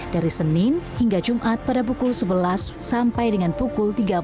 dari senin hingga jumat pada pukul sebelas sampai dengan pukul tiga belas